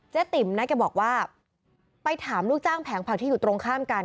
ติ๋มนะแกบอกว่าไปถามลูกจ้างแผงผักที่อยู่ตรงข้ามกัน